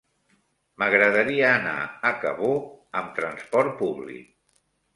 M'agradaria anar a Cabó amb trasport públic.